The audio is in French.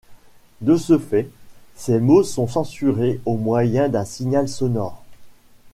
De ce fait, ces mots sont censurés au moyen d'un signal sonore.